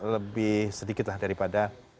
lebih sedikitlah daripada